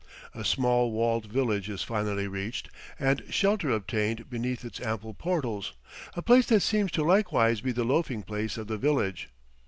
A small walled village is finally reached and shelter obtained beneath its ample portals, a place that seems to likewise be the loafing place of the village.